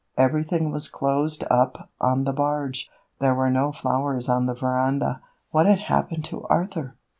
Everything was closed up on the barge. There were no flowers on the veranda. What had happened to Arthur?